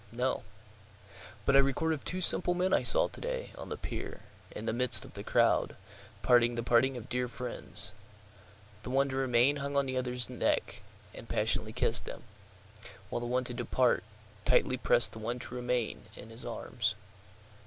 —No; But I record of two simple men I saw to day, on the pier, in the midst of the crowd, parting the parting of dear friends; The one to remain hung on the other's neck, and passionately kiss'd him, While the one to depart, tightly prest the one to remain in his arms.